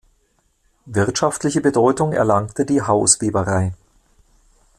Wirtschaftliche Bedeutung erlangte die Hausweberei.